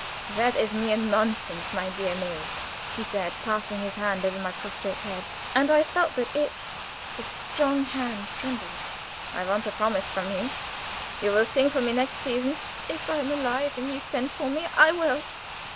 "That is mere nonsense, my dear May," he said, passing his hand over my prostrate head; and I felt that it the strong hand trembled. "I want a promise from you. Will you sing for me next season?" "If I am alive, and you send for me, I will."